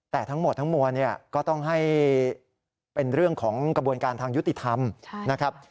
แต่ทั้งหมดทั้งมวลเนี่ยก็ต้องให้เป็นเรื่องของกระบวนการทางยุติธรรมนะครับ